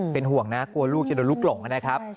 เป็นห่วงนะกลัวลูกจะโดนลูกหลงนะครับ